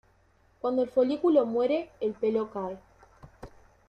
Cuando el folículo muere, el pelo cae.